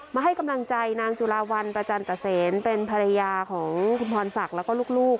มาให้กำลังใจนางจุลาวันประจันตเซนเป็นภรรยาของคุณพรศักดิ์แล้วก็ลูก